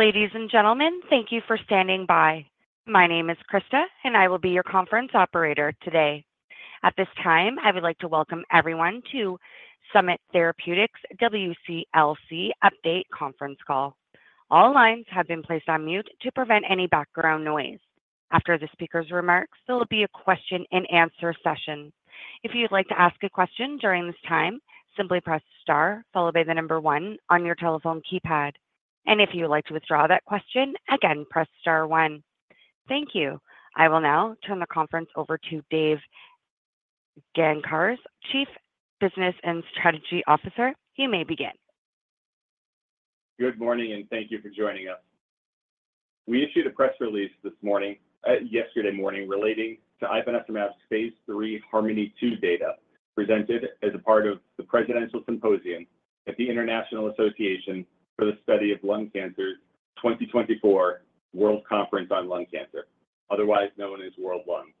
Ladies and gentlemen, thank you for standing by. My name is Krista, and I will be your conference operator today. At this time, I would like to welcome everyone to Summit Therapeutics' WCLC Update conference call. All lines have been placed on mute to prevent any background noise. After the speaker's remarks, there will be a question-and-answer session. If you'd like to ask a question during this time, simply press star followed by the number one on your telephone keypad. And if you would like to withdraw that question, again, press star one. Thank you. I will now turn the conference over to Dave Gancarz, Chief Business and Strategy Officer. You may begin. Good morning, and thank you for joining us. We issued a press release this morning, yesterday morning relating to ivonescimab's phase III HARMONi-2 data, presented as a part of the Presidential Symposium at the International Association for the Study of Lung Cancer, 2024 World Conference on Lung Cancer, otherwise known as World Lung.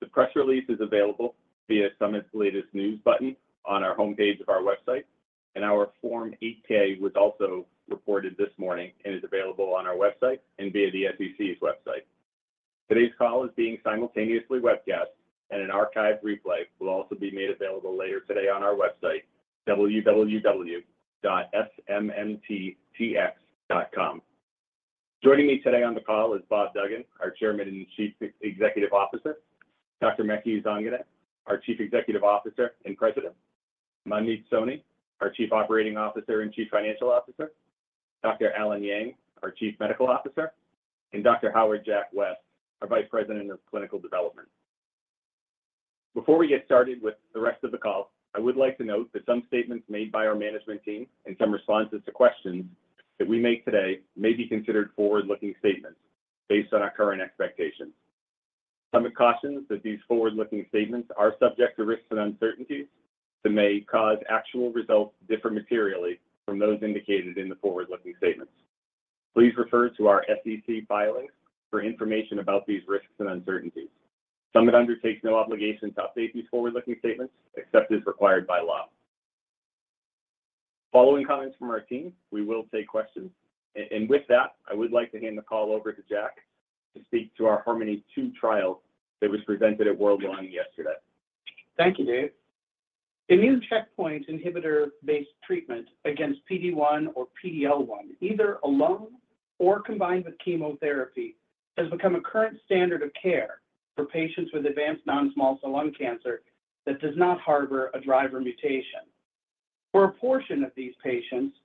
The press release is available via Summit's Latest News button on our homepage of our website, and our Form 8-K was also reported this morning and is available on our website and via the SEC's website. Today's call is being simultaneously webcast, and an archive replay will also be made available later today on our website, www.smmtx.com. Joining me today on the call is Bob Duggan, our Chairman and Chief Executive Officer, Dr. Maky Zanganeh, our Chief Executive Officer and President, Manmeet Soni, our Chief Operating Officer and Chief Financial Officer, Dr. Allen Yang, our Chief Medical Officer, and Dr. H. Jack West, our Vice President of Clinical Development. Before we get started with the rest of the call, I would like to note that some statements made by our management team and some responses to questions that we make today may be considered forward-looking statements based on our current expectations. Summit cautions that these forward-looking statements are subject to risks and uncertainties that may cause actual results to differ materially from those indicated in the forward-looking statements. Please refer to our SEC filings for information about these risks and uncertainties. Summit undertakes no obligation to update these forward-looking statements, except as required by law. Following comments from our team, we will take questions. And with that, I would like to hand the call over to Jack to speak to our HARMONi-2 trial that was presented at World Lung yesterday. Thank you, Dave. Immune checkpoint inhibitor-based treatment against PD-1 or PD-L1, either alone or combined with chemotherapy, has become a current standard of care for patients with advanced non-small cell lung cancer that does not harbor a driver mutation. For a portion of these patients,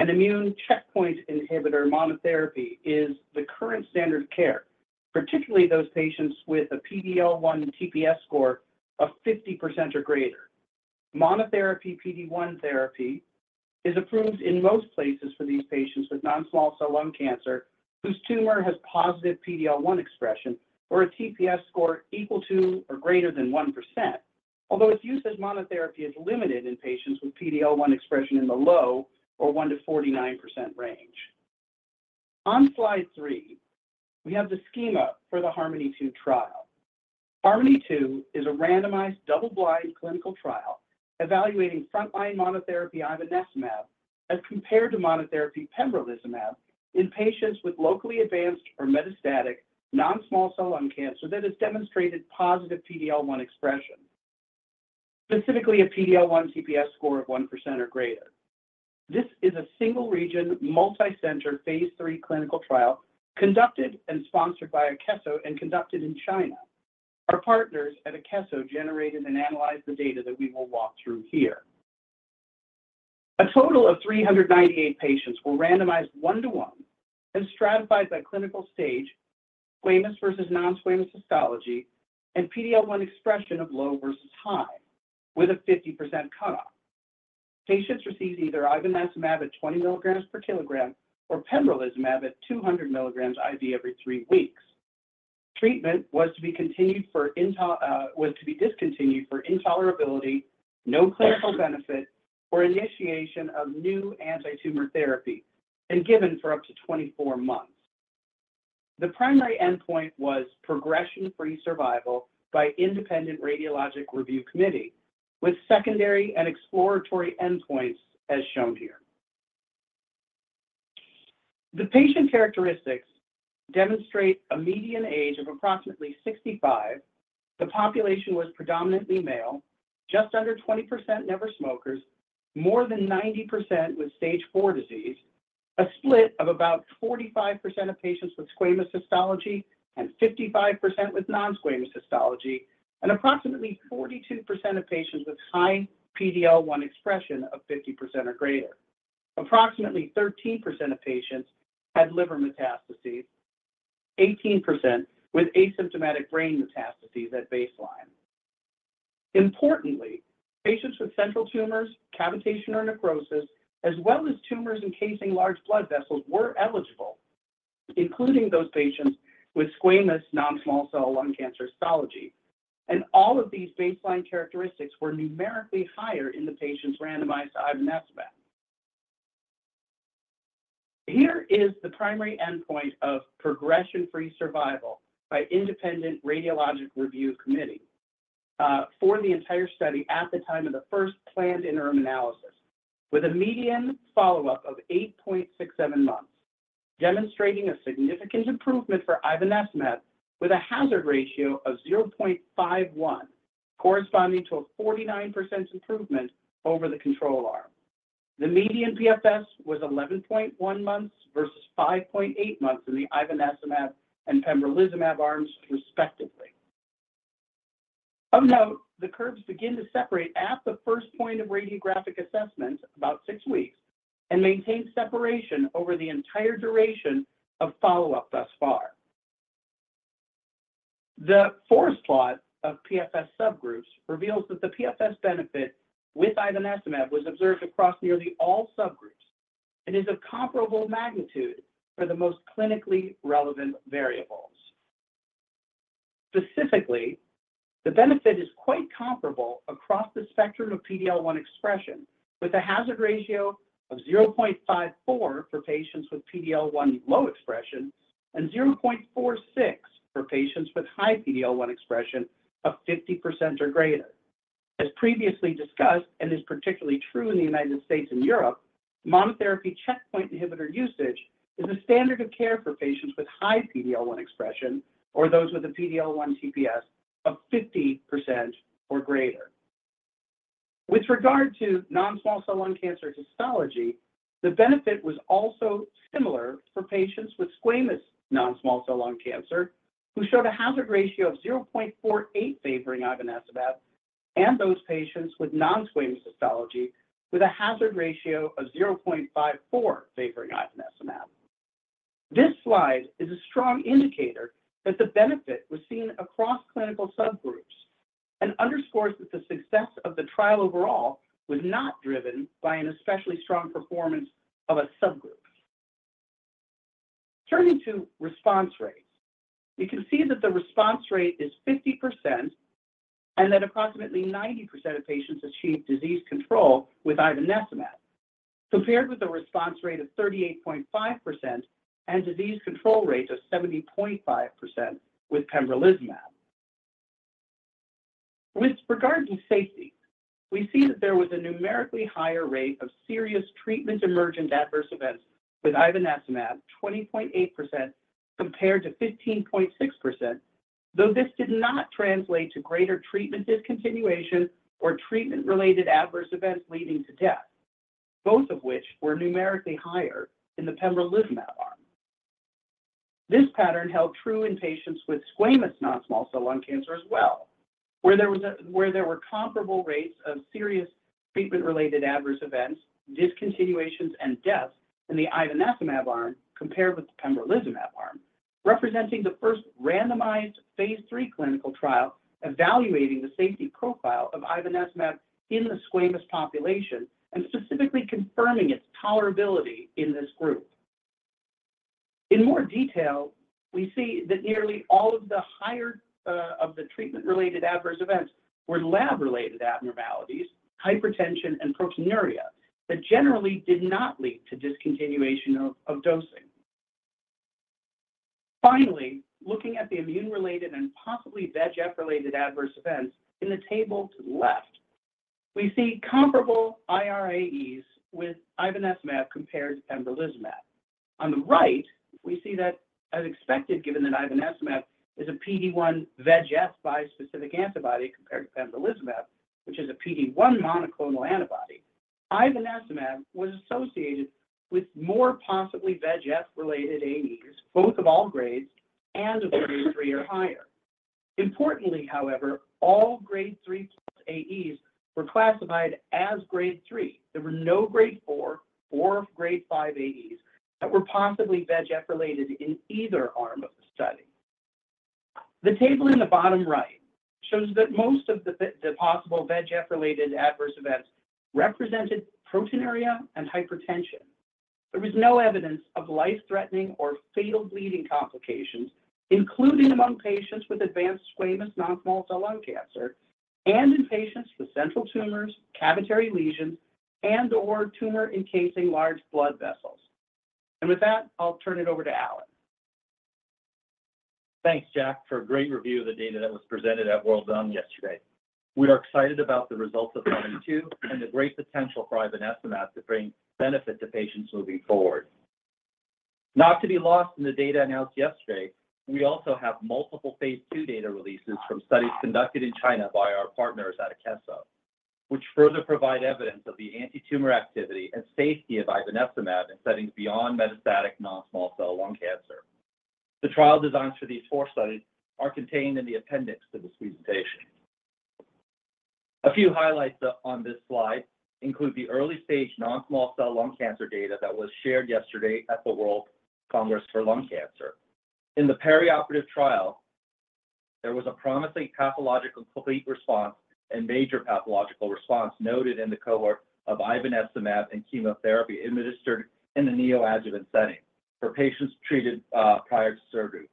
an immune checkpoint inhibitor monotherapy is the current standard of care, particularly those patients with a PD-L1 TPS score of 50% or greater. Monotherapy PD-1 therapy is approved in most places for these patients with non-small cell lung cancer whose tumor has positive PD-L1 expression or a TPS score equal to or greater than 1%, although its use as monotherapy is limited in patients with PD-L1 expression in the low or 1%-49% range. On slide three, we have the schema for the HARMONi-2 trial. HARMONi-2 is a randomized, double-blind clinical trial evaluating frontline monotherapy ivonescimab as compared to monotherapy pembrolizumab in patients with locally advanced or metastatic non-small cell lung cancer that has demonstrated positive PD-L1 expression, specifically a PD-L1 TPS score of 1% or greater. This is a single-region, multicenter, phase III clinical trial conducted and sponsored by Akeso and conducted in China. Our partners at Akeso generated and analyzed the data that we will walk through here. A total of 398 patients were randomized 1:1 and stratified by clinical stage, squamous versus non-squamous histology, and PD-L1 expression of low versus high, with a 50% cutoff. Patients received either ivonescimab at 20 mg/kg or pembrolizumab at 200 mg IV every 3 weeks. Treatment was to be discontinued for intolerability, no clinical benefit, or initiation of new antitumor therapy, and given for up to 24 months. The primary endpoint was progression-free survival by independent radiologic review committee, with secondary and exploratory endpoints as shown here. The patient characteristics demonstrate a median age of approximately 65. The population was predominantly male, just under 20% never smokers, more than 90% with stage four disease, a split of about 45% of patients with squamous histology and 55% with non-squamous histology, and approximately 42% of patients with high PD-L1 expression of 50% or greater. Approximately 13% of patients had liver metastases, 18% with asymptomatic brain metastases at baseline. Importantly, patients with central tumors, cavitation or necrosis, as well as tumors encasing large blood vessels, were eligible, including those patients with squamous non-small cell lung cancer histology. All of these baseline characteristics were numerically higher in the patients randomized to ivonescimab. Here is the primary endpoint of progression-free survival by independent radiologic review committee for the entire study at the time of the first planned interim analysis, with a median follow-up of 8.67 months, demonstrating a significant improvement for ivonescimab with a hazard ratio of 0.51, corresponding to a 49% improvement over the control arm. The median PFS was 11.1 months versus 5.8 months in the ivonescimab and pembrolizumab arms, respectively. Of note, the curves begin to separate at the first point of radiographic assessment, about six weeks, and maintain separation over the entire duration of follow-up thus far. The forest plot of PFS subgroups reveals that the PFS benefit with ivonescimab was observed across nearly all subgroups and is of comparable magnitude for the most clinically relevant variables. Specifically, the benefit is quite comparable across the spectrum of PD-L1 expression, with a hazard ratio of 0.54 for patients with PD-L1 low expression and 0.46 for patients with high PD-L1 expression of 50% or greater. As previously discussed, and is particularly true in the United States and Europe, monotherapy checkpoint inhibitor usage is a standard of care for patients with high PD-L1 expression or those with a PD-L1 TPS of 50% or greater. With regard to non-small cell lung cancer histology, the benefit was also similar for patients with squamous non-small cell lung cancer, who showed a hazard ratio of 0.48 favoring ivonescimab, and those patients with non-squamous histology with a hazard ratio of 0.54 favoring ivonescimab. This slide is a strong indicator that the benefit was seen across clinical subgroups and underscores that the success of the trial overall was not driven by an especially strong performance of a subgroup. Turning to response rates, you can see that the response rate is 50% and that approximately 90% of patients achieve disease control with ivonescimab, compared with a response rate of 38.5% and disease control rates of 70.5% with pembrolizumab. With regard to safety, we see that there was a numerically higher rate of serious treatment-emergent adverse events with ivonescimab, 20.8% compared to 15.6%, though this did not translate to greater treatment discontinuation or treatment-related adverse events leading to death, both of which were numerically higher in the pembrolizumab arm. This pattern held true in patients with squamous non-small cell lung cancer as well, where there were comparable rates of serious treatment-related adverse events, discontinuations, and deaths in the ivonescimab arm compared with the pembrolizumab arm, representing the first randomized phase III clinical trial evaluating the safety profile of ivonescimab in the squamous population and specifically confirming its tolerability in this group. In more detail, we see that nearly all of the higher of the treatment-related adverse events were lab-related abnormalities, hypertension, and proteinuria, that generally did not lead to discontinuation of dosing. Finally, looking at the immune-related and possibly VEGF-related adverse events in the table to the left, we see comparable IRAEs with ivonescimab compared to pembrolizumab. On the right, we see that, as expected, given that ivonescimab is a PD-1 VEGF bispecific antibody compared to pembrolizumab, which is a PD-1 monoclonal antibody, ivonescimab was associated with more possibly VEGF-related AEs, both of all grades and of grade three or higher. Importantly, however, all grade three plus AEs were classified as grade three. There were no grade four or grade five AEs that were possibly VEGF-related in either arm of the study. The table in the bottom right shows that most of the possible VEGF-related adverse events represented proteinuria and hypertension. There was no evidence of life-threatening or fatal bleeding complications, including among patients with advanced squamous non-small cell lung cancer and in patients with central tumors, cavitary lesions, and/or tumor encasing large blood vessels, and with that, I'll turn it over to Allen. Thanks, Jack, for a great review of the data that was presented at World Conference on Lung Cancer yesterday. We are excited about the results of phase II and the great potential for ivonescimab to bring benefit to patients moving forward. Not to be lost in the data announced yesterday, we also have multiple phase II data releases from studies conducted in China by our partners at Akeso, which further provide evidence of the antitumor activity and safety of ivonescimab in settings beyond metastatic non-small cell lung cancer. The trial designs for these four studies are contained in the appendix to this presentation. A few highlights on this slide include the early-stage non-small cell lung cancer data that was shared yesterday at the World Conference on Lung Cancer. In the perioperative trial, there was a promising pathological complete response and major pathological response noted in the cohort of ivonescimab and chemotherapy administered in the neoadjuvant setting for patients treated prior to surgery.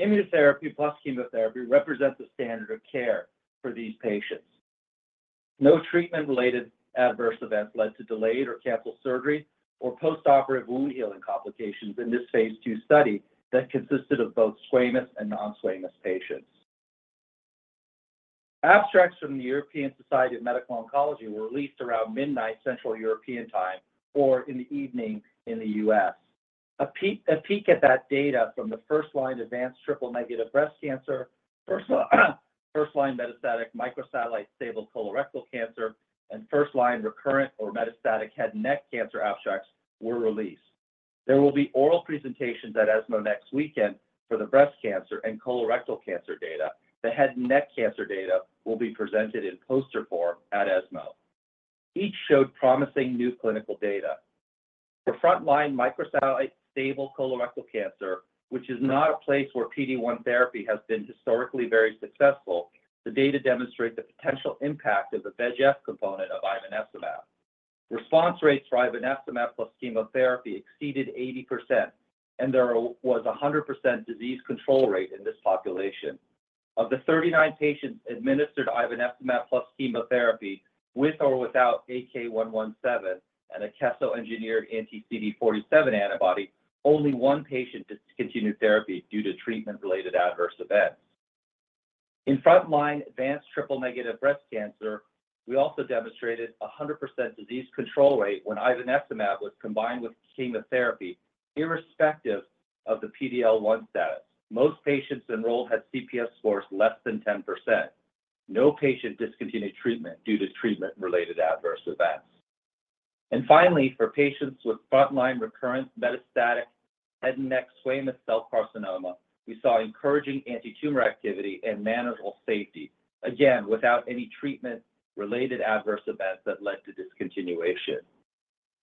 Immunotherapy plus chemotherapy represents the standard of care for these patients. No treatment-related adverse events led to delayed or canceled surgery or postoperative wound healing complications in this phase II study that consisted of both squamous and non-squamous patients. Abstracts from the European Society for Medical Oncology were released around midnight, Central European Time, or in the evening in the U.S. A peek at that data from the first-line advanced triple-negative breast cancer, first-line metastatic microsatellite stable colorectal cancer, and first-line recurrent or metastatic head and neck cancer abstracts were released. There will be oral presentations at ESMO next weekend for the breast cancer and colorectal cancer data. The head and neck cancer data will be presented in poster form at ESMO. Each showed promising new clinical data. For frontline microsatellite stable colorectal cancer, which is not a place where PD-1 therapy has been historically very successful, the data demonstrate the potential impact of the VEGF component of ivonescimab. Response rates for ivonescimab plus chemotherapy exceeded 80%, and there was a 100% disease control rate in this population. Of the 39 patients administered ivonescimab plus chemotherapy, with or without AK117 and an Akeso-engineered anti-CD47 antibody, only one patient discontinued therapy due to treatment-related adverse events. In frontline advanced triple-negative breast cancer, we also demonstrated a 100% disease control rate when ivonescimab was combined with chemotherapy, irrespective of the PD-L1 status. Most patients enrolled had CPS scores less than 10%. No patient discontinued treatment due to treatment-related adverse events. Finally, for patients with frontline recurrent metastatic head and neck squamous cell carcinoma, we saw encouraging antitumor activity and manageable safety, again, without any treatment-related adverse events that led to discontinuation.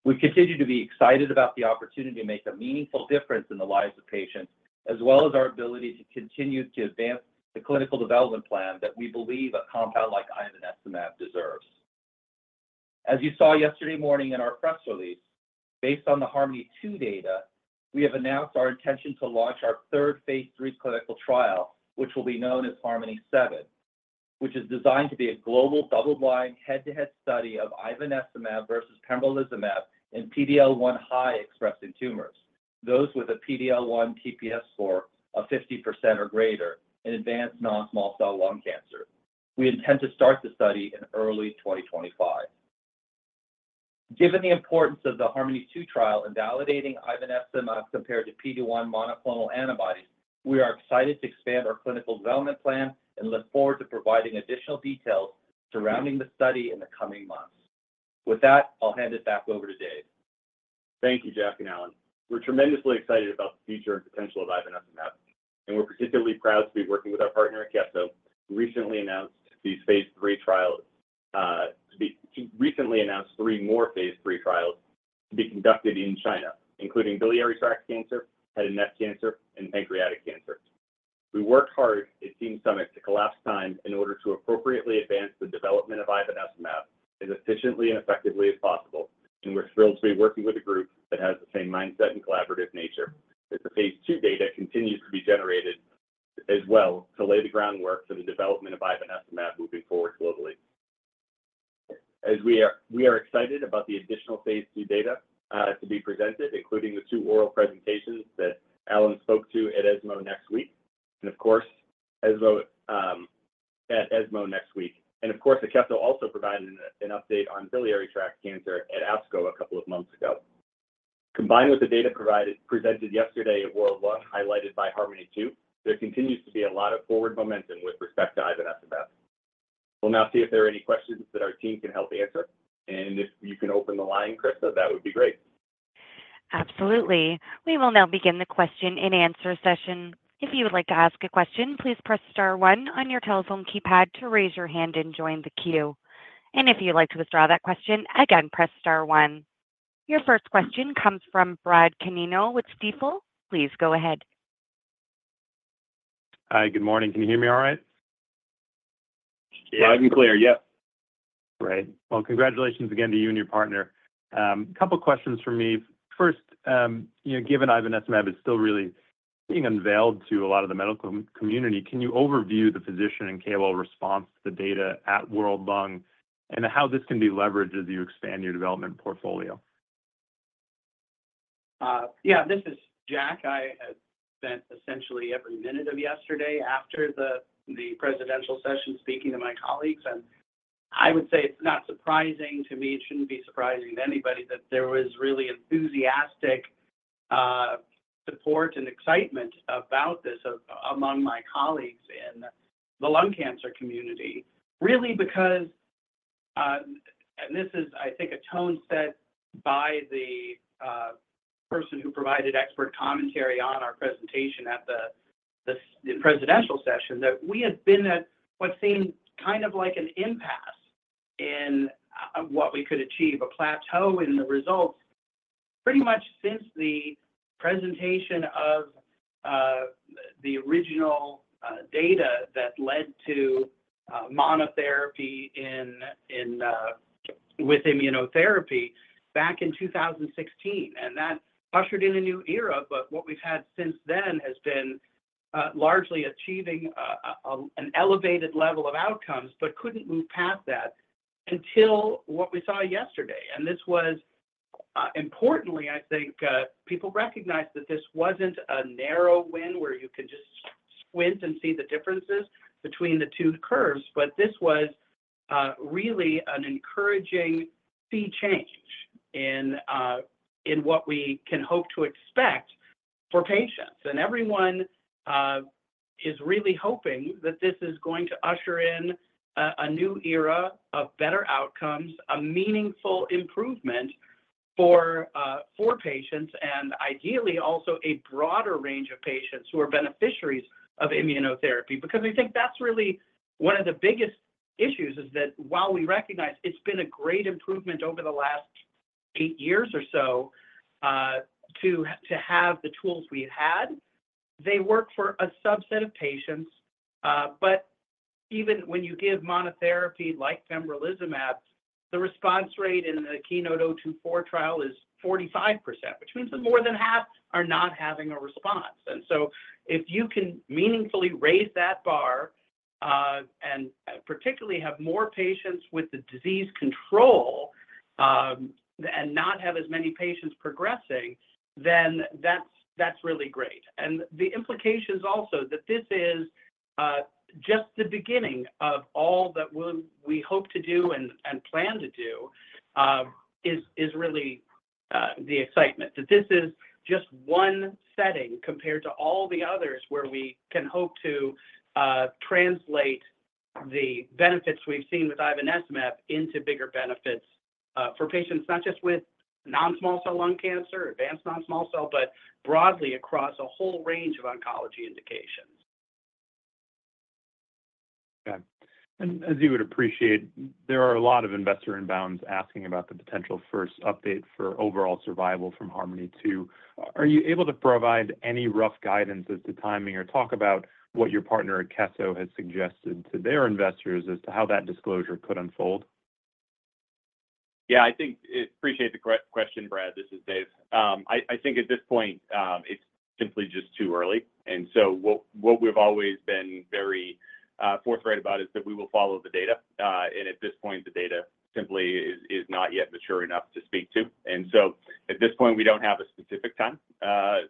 We continue to be excited about the opportunity to make a meaningful difference in the lives of patients, as well as our ability to continue to advance the clinical development plan that we believe a compound like ivonescimab deserves. As you saw yesterday morning in our press release, based on the HARMONi-2 data, we have announced our intention to launch our third phase III clinical trial, which will be known as HARMONi-7, which is designed to be a global, double-blind, head-to-head study of ivonescimab versus pembrolizumab in PD-L1 high expressed in tumors, those with a PD-L1 TPS score of 50% or greater in advanced non-small cell lung cancer. We intend to start the study in early 2025. Given the importance of the HARMONi-2 trial in validating ivonescimab compared to PD-1 monoclonal antibodies, we are excited to expand our clinical development plan and look forward to providing additional details surrounding the study in the coming months. With that, I'll hand it back over to Dave. Thank you, Jack and Allen. We're tremendously excited about the future and potential of ivonescimab, and we're particularly proud to be working with our partner at Akeso, who recently announced three more phase III trials to be conducted in China, including biliary tract cancer, head and neck cancer, and pancreatic cancer. We worked hard at Team Summit to collapse time in order to appropriately advance the development of ivonescimab as efficiently and effectively as possible, and we're thrilled to be working with a group that has the same mindset and collaborative nature, as the phase II data continues to be generated as well to lay the groundwork for the development of ivonescimab moving forward globally. As we are excited about the additional phase II data to be presented, including the two oral presentations that Allen spoke to at ESMO next week, and of course at ESMO next week. Of course, Akeso also provided an update on biliary tract cancer at ASCO a couple of months ago. Combined with the data presented yesterday at World Lung, highlighted by HARMONi-2, there continues to be a lot of forward momentum with respect to ivonescimab. We'll now see if there are any questions that our team can help answer. If you can open the line, Krista, that would be great. Absolutely. We will now begin the question-and-answer session. If you would like to ask a question, please press star one on your telephone keypad to raise your hand and join the queue. And if you'd like to withdraw that question, again, press star one. Your first question comes from Brad Canino with Stifel. Please go ahead. Hi, good morning. Can you hear me all right? Loud and clear. Yep. Great. Well, congratulations again to you and your partner. A couple questions from me. First, you know, given ivonescimab is still really being unveiled to a lot of the medical community, can you overview the physician and KOL response to the data at World Lung, and how this can be leveraged as you expand your development portfolio? Yeah, this is Jack. I have spent essentially every minute of yesterday after the presidential session speaking to my colleagues, and I would say it's not surprising to me, it shouldn't be surprising to anybody, that there was really enthusiastic support and excitement about this among my colleagues in the lung cancer community. Really because, and this is, I think, a tone set by the person who provided expert commentary on our presentation at the presidential session, that we had been at what seemed kind of like an impasse in what we could achieve, a plateau in the results, pretty much since the presentation of the original data that led to monotherapy in... with immunotherapy back in 2016, and that ushered in a new era. But what we've had since then has been largely achieving an elevated level of outcomes, but couldn't move past that until what we saw yesterday. And this was importantly, I think, people recognized that this wasn't a narrow win, where you could just squint and see the differences between the two curves. But this was really an encouraging sea change in what we can hope to expect for patients. And everyone is really hoping that this is going to usher in a new era of better outcomes, a meaningful improvement for patients and ideally, also a broader range of patients who are beneficiaries of immunotherapy. Because we think that's really one of the biggest issues, is that while we recognize it's been a great improvement over the last eight years or so, to have the tools we've had, they work for a subset of patients. But even when you give monotherapy, like pembrolizumab, the response rate in the KEYNOTE-024 trial is 45%, which means that more than half are not having a response. And so if you can meaningfully raise that bar, and particularly have more patients with the disease control, and not have as many patients progressing, then that's really great. And the implications also that this is just the beginning of all that we hope to do and plan to do is really the excitement. That this is just one setting compared to all the others, where we can hope to translate the benefits we've seen with ivonescimab into bigger benefits for patients, not just with non-small cell lung cancer, advanced non-small cell, but broadly across a whole range of oncology indications. Okay. And as you would appreciate, there are a lot of investor inbounds asking about the potential first update for overall survival from HARMONi-2. Are you able to provide any rough guidance as to timing or talk about what your partner at Akeso has suggested to their investors as to how that disclosure could unfold? Yeah, I think... appreciate the question, Brad. This is Dave. I think at this point, it's simply just too early. And so what we've always been very forthright about is that we will follow the data. And at this point, the data simply is not yet mature enough to speak to. And so at this point, we don't have a specific time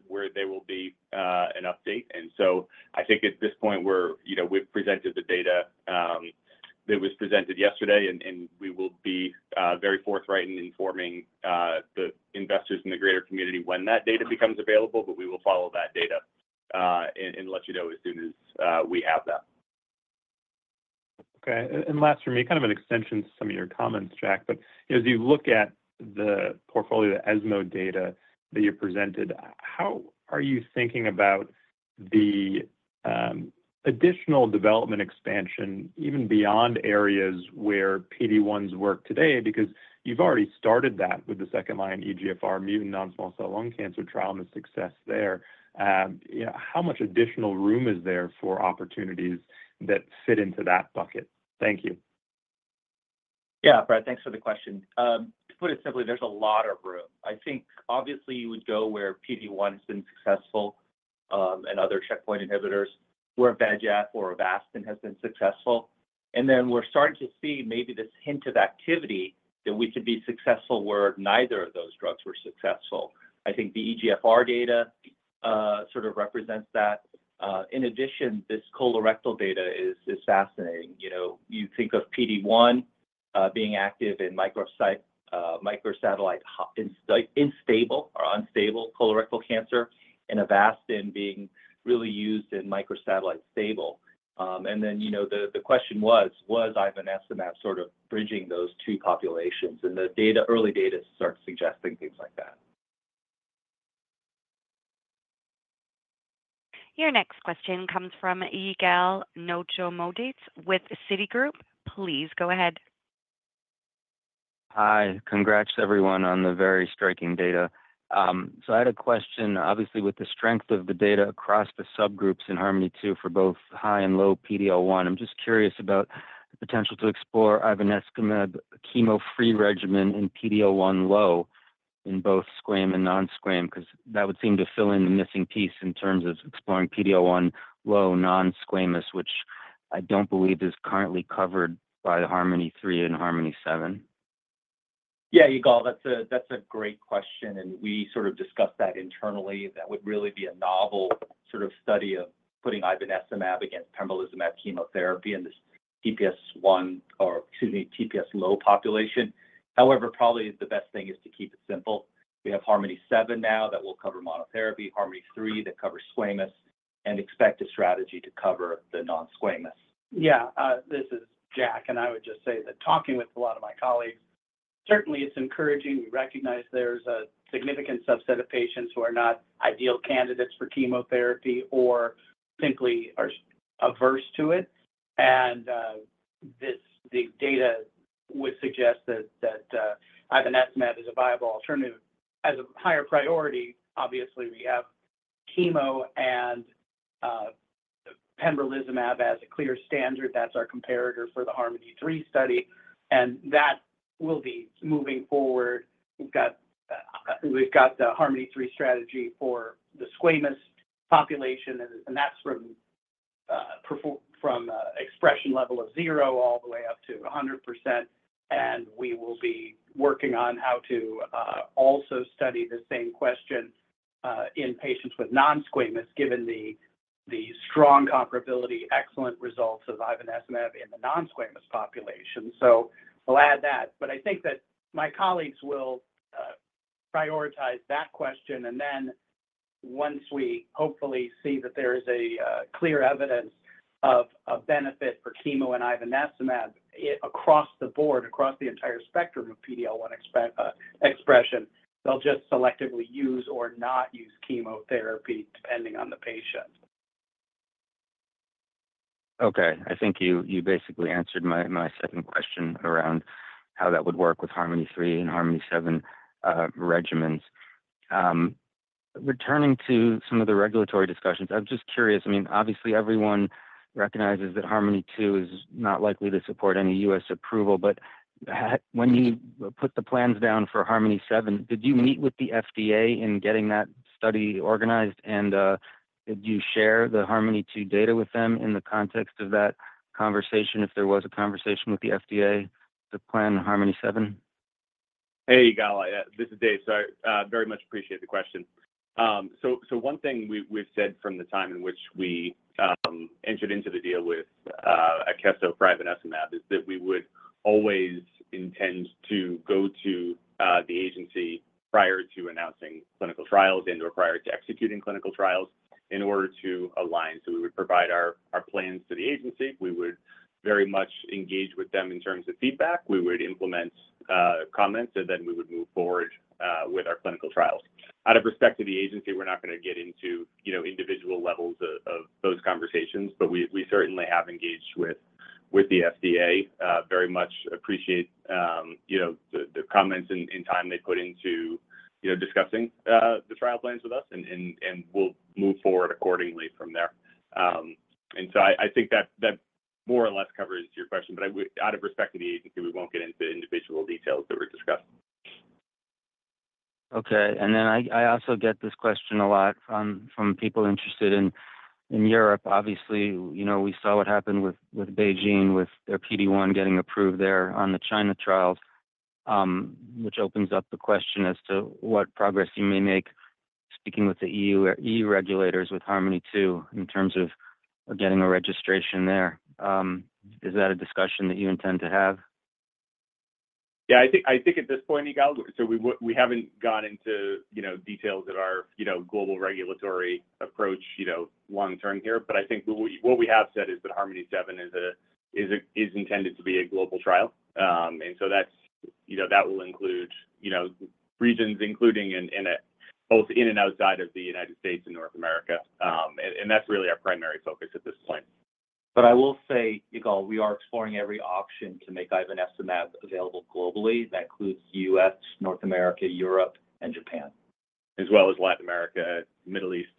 where there will be an update. And so I think at this point, we're, you know, we've presented the data that was presented yesterday, and we will be very forthright in informing the investors in the greater community when that data becomes available. But we will follow that data, and let you know as soon as we have that. Okay. And last for me, kind of an extension to some of your comments, Jack. But as you look at the portfolio, the ESMO data that you presented, how are you thinking about the additional development expansion, even beyond areas where PD-1s work today? Because you've already started that with the second line EGFR mutant non-small cell lung cancer trial and the success there. You know, how much additional room is there for opportunities that fit into that bucket? Thank you. Yeah, Brad, thanks for the question. To put it simply, there's a lot of room. I think obviously you would go where PD-1 has been successful, and other checkpoint inhibitors, where bevacizumab or Avastin has been successful. And then we're starting to see maybe this hint of activity that we could be successful, where neither of those drugs were successful. I think the EGFR data sort of represents that. In addition, this colorectal data is fascinating. You know, you think of PD-1 being active in microsatellite unstable colorectal cancer, and Avastin being really used in microsatellite stable. And then, you know, the question was: Was ivonescimab sort of bridging those two populations? And the data, early data starts suggesting things like that. Your next question comes from Yigal Nochomovitz with Citigroup. Please go ahead. Hi, congrats to everyone on the very striking data. So I had a question. Obviously, with the strength of the data across the subgroups in HARMONi-2 for both high and low PD-L1, I'm just curious about the potential to explore ivonescimab chemo-free regimen in PD-L1 low, in both squam and non-squam, 'cause that would seem to fill in the missing piece in terms of exploring PD-L1 low non-squamous, which I don't believe is currently covered by the HARMONi-3 and HARMONi-7. Yeah, Yigal, that's a, that's a great question, and we sort of discussed that internally. That would really be a novel sort of study of putting ivonescimab against pembrolizumab chemotherapy in this TPS 1%, or excuse me, TPS-low population. However, probably the best thing is to keep it simple. We have HARMONi-7 now that will cover monotherapy, HARMONi-3 that covers squamous, and expect a strategy to cover the non-squamous. Yeah, this is Jack, and I would just say that talking with a lot of my colleagues, certainly it's encouraging. We recognize there's a significant subset of patients who are not ideal candidates for chemotherapy or simply are averse to it. The data would suggest that ivonescimab is a viable alternative. As a higher priority, obviously, we have chemo and pembrolizumab as a clear standard, that's our comparator for the HARMONi-3 study, and that will be moving forward. We've got the HARMONi-3 strategy for the squamous population, and that's from expression level of zero all the way up to 100%, and we will be working on how to also study the same question in patients with non-squamous, given the strong comparability, excellent results of ivonescimab in the non-squamous population. So we'll add that. But I think that my colleagues will prioritize that question, and then once we hopefully see that there is a clear evidence of benefit for chemo and ivonescimab across the board, across the entire spectrum of PD-L1 expression, they'll just selectively use or not use chemotherapy, depending on the patient. Okay. I think you basically answered my second question around how that would work with HARMONi-3 and HARMONi-7 regimens. Returning to some of the regulatory discussions, I'm just curious, I mean, obviously everyone recognizes that HARMONi-2 is not likely to support any U.S. approval, but when you put the plans down for HARMONi-7, did you meet with the FDA in getting that study organized? And did you share the HARMONi-2 data with them in the context of that conversation, if there was a conversation with the FDA to plan the HARMONi-7? Hey, Gal, this is Dave. So I very much appreciate the question. So one thing we've said from the time in which we entered into the deal with Akeso for ivonescimab is that we would always intend to go to the agency prior to announcing clinical trials and/or prior to executing clinical trials in order to align. So we would provide our plans to the agency. We would very much engage with them in terms of feedback. We would implement comments, and then we would move forward with our clinical trials. Out of respect to the agency, we're not gonna get into, you know, individual levels of those conversations, but we certainly have engaged with the FDA. Very much appreciate, you know, the comments and time they've put into, you know, discussing the trial plans with us, and we'll move forward accordingly from there. And so I think that more or less covers your question, but I would out of respect to the agency, we won't get into individual details that were discussed. Okay. And then I also get this question a lot from people interested in Europe. Obviously, you know, we saw what happened with BeiGene, with their PD-1 getting approved there on the China trials, which opens up the question as to what progress you may make speaking with the EU or EU regulators with HARMONi-2, in terms of getting a registration there. Is that a discussion that you intend to have? Yeah, I think, I think at this point, Yigal, so we haven't gone into, you know, details of our, you know, global regulatory approach, you know, long term here. But I think what we, what we have said is that HARMONi-7 is intended to be a global trial. And so that's, you know, that will include, you know, regions, including both in and outside of the United States and North America. And that's really our primary focus at this point. But I will say, Yigal, we are exploring every option to make ivonescimab available globally. That includes U.S., North America, Europe, and Japan. As well as Latin America, Middle East.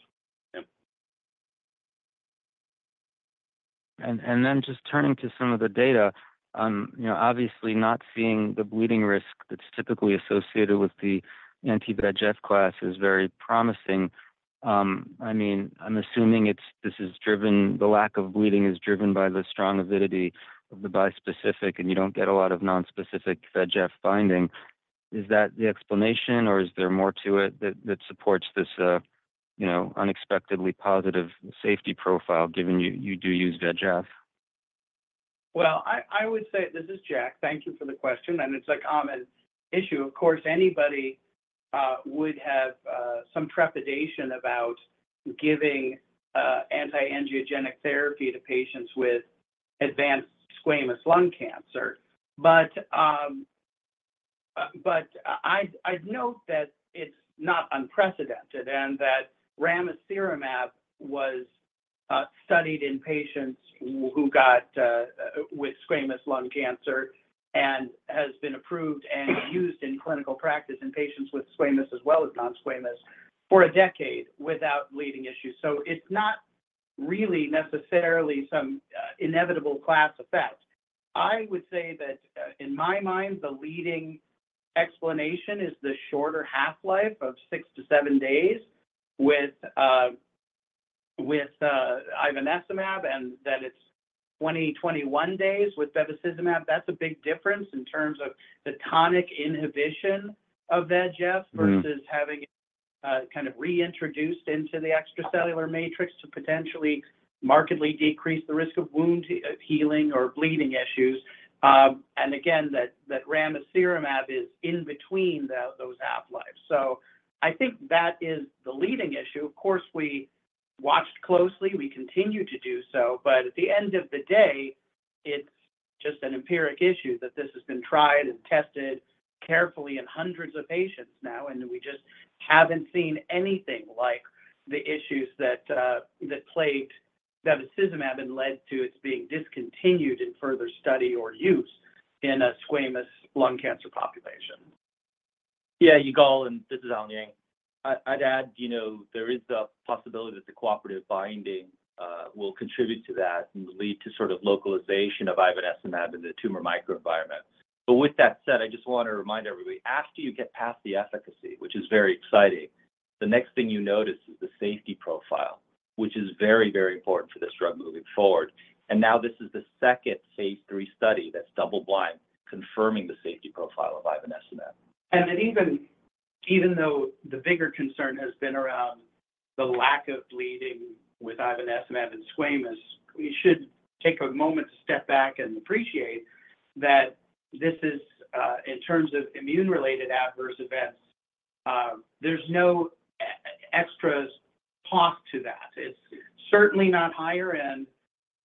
Yeah. Then just turning to some of the data, you know, obviously not seeing the bleeding risk that's typically associated with the anti-VEGF class is very promising. I mean, I'm assuming the lack of bleeding is driven by the strong avidity of the bispecific, and you don't get a lot of nonspecific VEGF binding. Is that the explanation, or is there more to it that supports this, you know, unexpectedly positive safety profile, given you do use VEGF? I would say. This is Jack. Thank you for the question, and it's a common issue. Of course, anybody would have some trepidation about giving anti-angiogenic therapy to patients with advanced squamous lung cancer, but I'd note that it's not unprecedented and that ramucirumab was studied in patients with squamous lung cancer, and has been approved and used in clinical practice in patients with squamous as well as non-squamous for a decade without leading issues, so it's not really necessarily some inevitable class effect. I would say that in my mind, the leading explanation is the shorter half-life of six to seven days with ivonescimab, and that it's 20 to 21 days with bevacizumab. That's a big difference in terms of the tonic inhibition of VEGF. Mm-hmm... versus having kind of reintroduced into the extracellular matrix to potentially markedly decrease the risk of wound healing or bleeding issues. And again, that ramucirumab is in between those half-lives. So I think that is the leading issue. Of course, we watched closely. We continue to do so. But at the end of the day, it's just an empiric issue, that this has been tried and tested carefully in hundreds of patients now, and we just haven't seen anything like the issues that plagued bevacizumab and led to its being discontinued in further study or use in a squamous lung cancer population.... Yeah, Yigal, and this is Allen Yang. I'd add, you know, there is the possibility that the cooperative binding will contribute to that and lead to sort of localization of ivonescimab in the tumor microenvironment. But with that said, I just want to remind everybody, after you get past the efficacy, which is very exciting, the next thing you notice is the safety profile, which is very, very important for this drug moving forward. And now this is the second phase III study that's double blind, confirming the safety profile of ivonescimab. And then even, even though the bigger concern has been around the lack of bleeding with ivonescimab and squamous, we should take a moment to step back and appreciate that this is, in terms of immune-related adverse events, there's no extras to that. It's certainly not higher end.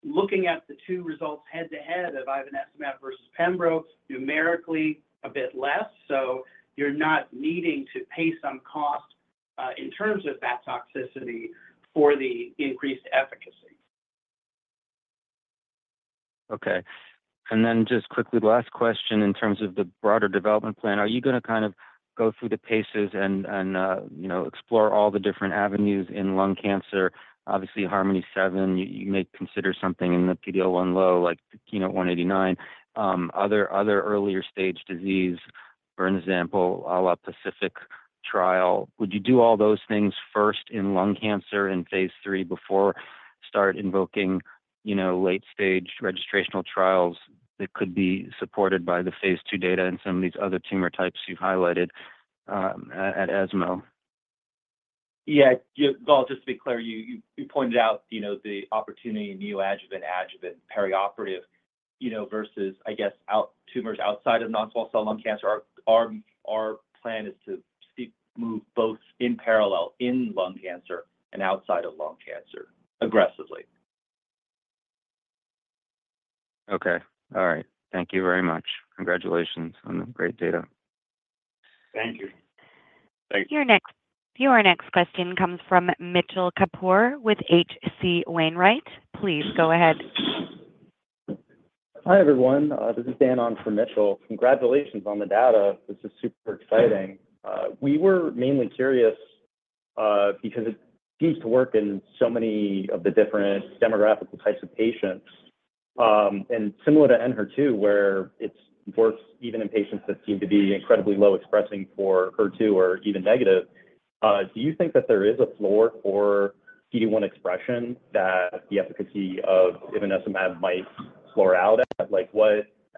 Looking at the two results head-to-head of ivonescimab versus pembrolizumab, numerically a bit less, so you're not needing to pay some cost, in terms of that toxicity for the increased efficacy. Okay. And then just quickly, last question in terms of the broader development plan. Are you gonna kind of go through the paces and, you know, explore all the different avenues in lung cancer? Obviously, HARMONi-7, you may consider something in the PD-L1 low, like, you know, KEYNOTE-189, other earlier stage disease, for example, a la PACIFIC trial. Would you do all those things first in lung cancer in phase III before start invoking, you know, late-stage registrational trials that could be supported by the phase II data and some of these other tumor types you've highlighted, at ESMO? Yeah. Yeah, well, just to be clear, you pointed out, you know, the opportunity in neoadjuvant, adjuvant, perioperative, you know, versus, I guess, tumors outside of non-small cell lung cancer. Our plan is to seek, move both in parallel in lung cancer and outside of lung cancer aggressively. Okay. All right. Thank you very much. Congratulations on the great data. Thank you. Thank you. Your next, your next question comes from Mitchell Kapoor with H.C. Wainwright. Please, go ahead. Hi, everyone. This is Dan on for Mitchell. Congratulations on the data. This is super exciting. We were mainly curious because it seems to work in so many of the different demographic types of patients, and similar to HER-2, where it works even in patients that seem to be incredibly low expressing for HER2 or even negative. Do you think that there is a floor for PD-1 expression that the efficacy of ivonescimab might floor out at? Like,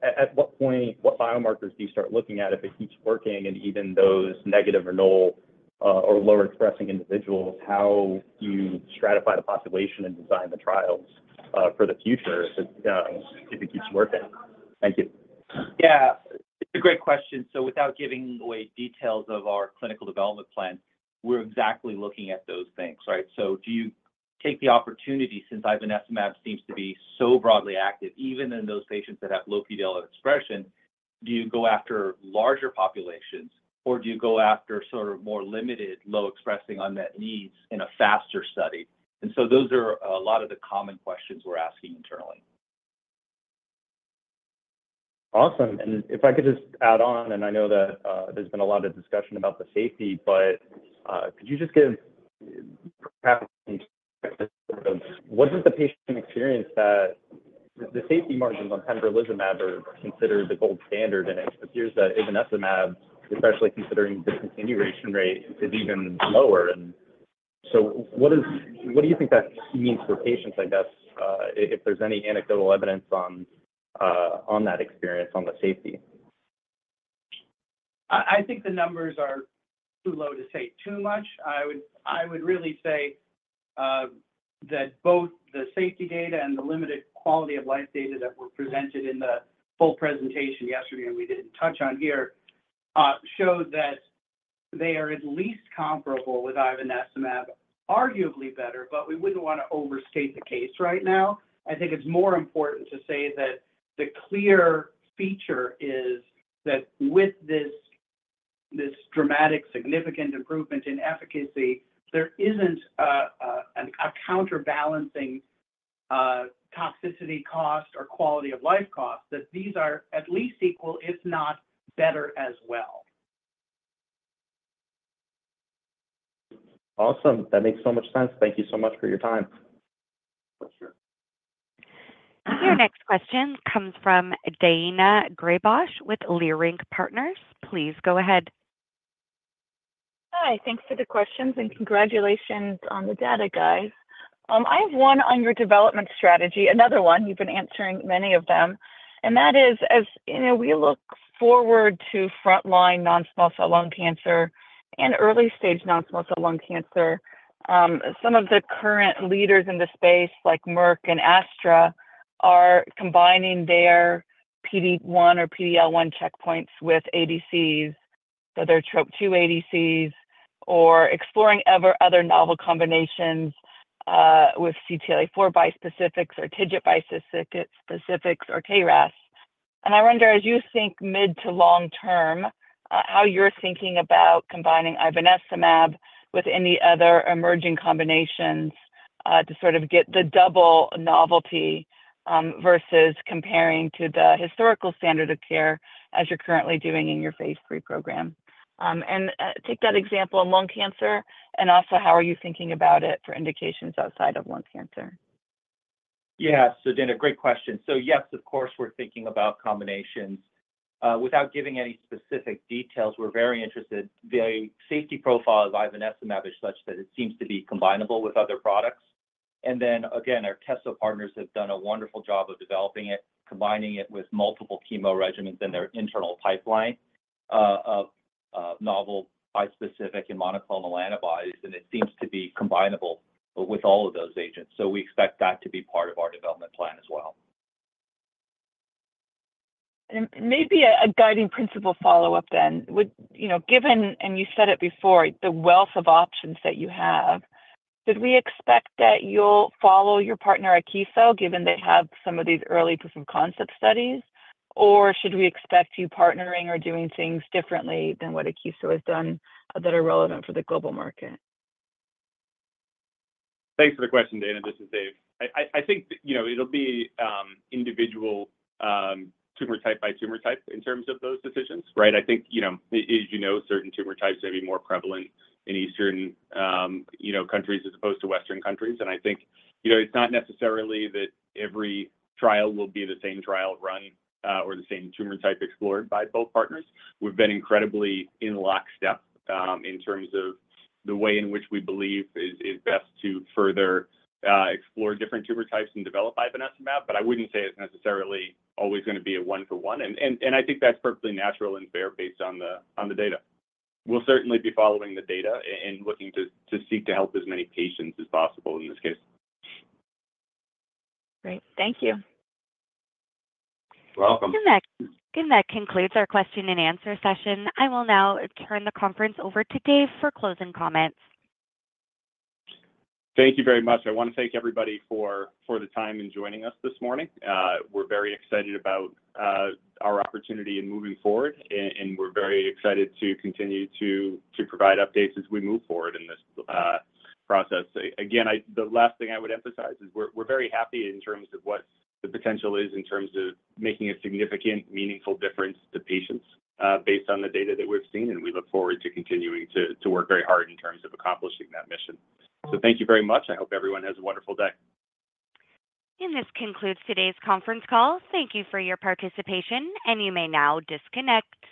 at what point, what biomarkers do you start looking at if it keeps working and even those negative or null or lower expressing individuals? How do you stratify the population and design the trials for the future if it keeps working? Thank you. Yeah, it's a great question. So without giving away details of our clinical development plan, we're exactly looking at those things, right? So do you take the opportunity, since ivonescimab seems to be so broadly active, even in those patients that have low PD-L1 expression, do you go after larger populations, or do you go after sort of more limited, low-expressing unmet needs in a faster study? And so those are a lot of the common questions we're asking internally. Awesome. And if I could just add on, and I know that there's been a lot of discussion about the safety, but could you just give perhaps what is the patient experience that the safety margins on pembrolizumab are considered the gold standard, and it appears that ivonescimab, especially considering the discontinuation rate, is even lower. And so what do you think that means for patients, I guess, if there's any anecdotal evidence on that experience, on the safety? I think the numbers are too low to say too much. I would really say that both the safety data and the limited quality of life data that were presented in the full presentation yesterday, and we didn't touch on here, show that they are at least comparable with ivonescimab, arguably better, but we wouldn't want to overstate the case right now. I think it's more important to say that the clear feature is that with this dramatic, significant improvement in efficacy, there isn't a counterbalancing toxicity cost or quality of life cost, that these are at least equal, if not better as well. Awesome. That makes so much sense. Thank you so much for your time. For sure. Your next question comes from Daina Graybosch with Leerink Partners. Please go ahead. Hi, thanks for the questions, and congratulations on the data, guys. I have one on your development strategy, another one, you've been answering many of them. And that is, you know, we look forward to frontline non-small cell lung cancer and early-stage non-small cell lung cancer. Some of the current leaders in the space, like Merck and Astra, are combining their PD-1 or PD-L1 checkpoints with ADCs, so their Trop-2 ADCs, or exploring other novel combinations with CTLA-4 bispecific or TIGIT bispecific, or KRAS. And I wonder, as you think mid to long term, how you're thinking about combining ivonescimab with any other emerging combinations to sort of get the double novelty versus comparing to the historical standard of care as you're currently doing in your phase III program? And take that example in lung cancer, and also how are you thinking about it for indications outside of lung cancer? Yeah, so Daina, great question. So yes, of course, we're thinking about combinations. Without giving any specific details, we're very interested. The safety profile of ivonescimab is such that it seems to be combinable with other products. And then again, our Akeso partners have done a wonderful job of developing it, combining it with multiple chemo regimens in their internal pipeline of novel bispecific and monoclonal antibodies, and it seems to be combinable with all of those agents. So we expect that to be part of our development plan as well. Maybe a guiding principle follow-up then. Would you know, given and you said it before, the wealth of options that you have, should we expect that you'll follow your partner, Akeso, given they have some of these early proof of concept studies? Or should we expect you partnering or doing things differently than what Akeso has done that are relevant for the global market? Thanks for the question, Daina. This is Dave. I think that, you know, it'll be individual tumor type by tumor type in terms of those decisions, right? I think, you know, as you know, certain tumor types may be more prevalent in Eastern, you know, countries as opposed to Western countries. And I think, you know, it's not necessarily that every trial will be the same trial run or the same tumor type explored by both partners. We've been incredibly in lockstep in terms of the way in which we believe is best to further explore different tumor types and develop ivonescimab, but I wouldn't say it's necessarily always gonna be a one-for-one. And I think that's perfectly natural and fair based on the data. We'll certainly be following the data and looking to seek to help as many patients as possible in this case. Great. Thank you. Welcome. And that concludes our question and answer session. I will now turn the conference over to Dave for closing comments. Thank you very much. I want to thank everybody for the time in joining us this morning. We're very excited about our opportunity in moving forward, and we're very excited to continue to provide updates as we move forward in this process. Again, the last thing I would emphasize is we're very happy in terms of what the potential is in terms of making a significant, meaningful difference to patients, based on the data that we've seen, and we look forward to continuing to work very hard in terms of accomplishing that mission. So thank you very much. I hope everyone has a wonderful day. This concludes today's conference call. Thank you for your participation, and you may now disconnect.